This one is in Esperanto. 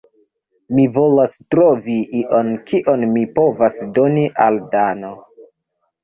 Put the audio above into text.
Mi volas trovi ion, kion mi povos doni al Dano.